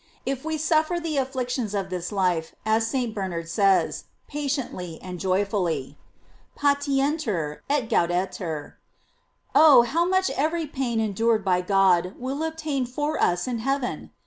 § If we suffer the afflictions of this life, as St. Bernard says, patiently and joyfully: "Patienter, et gau denter," oh, how much every pain endured for God will obtain for us in heaven